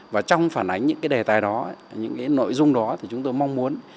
và trong phản ánh những đề tài đó những nội dung đó thì chúng tôi mong muốn